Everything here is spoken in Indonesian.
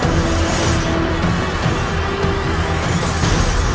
aku tidak akan pergi ke negara yang menulis